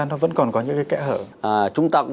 nó vẫn còn có những cái kẽ hở